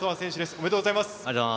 ありがとうございます。